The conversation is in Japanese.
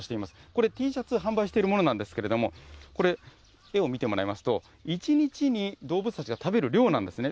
これＴシャツ、販売しているものなんですけれども、これ、絵を見てもらいますと、１日に動物たちが食べる量なんですね。